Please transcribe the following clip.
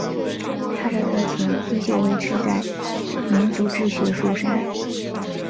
他的热情依旧维持在民族志学术上。